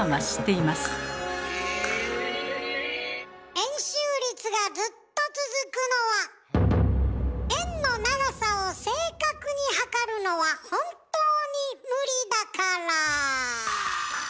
円周率がずっと続くのは円の長さを正確に測るのは本当に無理だから。